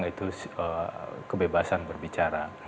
nah itu kebebasan berbicara